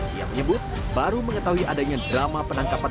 dia menyebut baru mengetahui adanya drama penangkapan